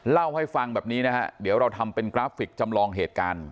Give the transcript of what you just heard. เล่าให้ฟังแบบนี้นะฮะเดี๋ยวเราทำเป็นกราฟิกจำลองเหตุการณ์